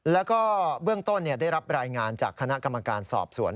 แล้วก็เบื้องต้นได้รับรายงานจากคณะกรรมการสอบสวน